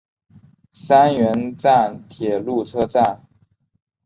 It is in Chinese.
三原站铁路车站。